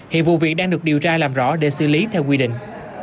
hiện vụ việc đang được điều tra làm rõ để xử lý theo quy định